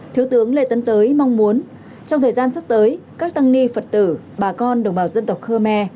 thiếu tướng lê tấn tới mong muốn trong thời gian sắp tới các tăng ni phật tử bà con đồng bào dân tộc khơ me